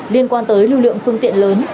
liên quan tới lưu lượng phương tiện lớn